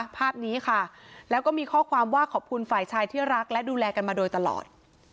ภาพนี้ค่ะแล้วก็มีข้อความว่าขอบคุณฝ่ายชายที่รักและดูแลกันมาโดยตลอด